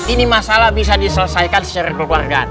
ini masalah bisa diselesaikan secara kekeluargaan